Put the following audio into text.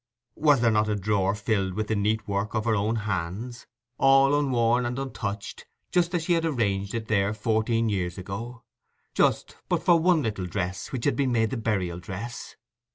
Was there not a drawer filled with the neat work of her hands, all unworn and untouched, just as she had arranged it there fourteen years ago—just, but for one little dress, which had been made the burial dress?